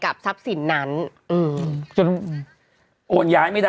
กับทรัพย์สินนั้นโอนย้ายไม่ได้